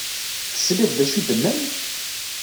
Tesliḍ d acu i d-nnan?